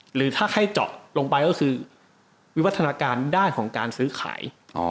หรือถ้าให้เจาะลงไปก็คือวิวัฒนาการด้านของการซื้อขาย